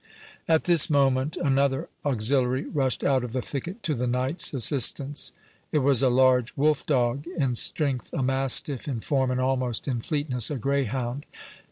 At this moment another auxiliary rushed out of the thicket to the knight's assistance. It was a large wolf dog, in strength a mastiff, in form and almost in fleetness a greyhound.